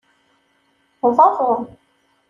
D aḍu.